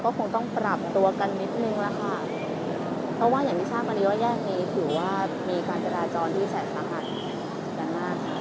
คงต้องปรับตัวกันนิดนึงแล้วค่ะเพราะว่าอย่างที่ทราบกันดีว่าแยกนี้ถือว่ามีการจราจรที่แสนสาหัสอย่างมาก